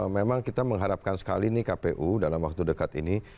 memang kita mengharapkan sekali nih kpu dalam waktu dekat ini